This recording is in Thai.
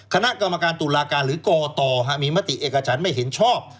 คณะกรรมการตุลาการหรือกรกตมีมติเอกฉันไม่เห็นชอบ